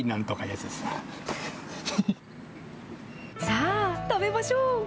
さあ、食べましょう。